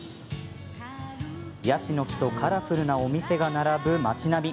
ヤシの木とカラフルなお店が並ぶ町並み。